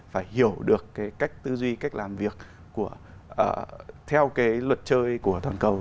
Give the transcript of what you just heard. phải hiểu được cái cách tư duy cách làm việc theo cái luật chơi của toàn cầu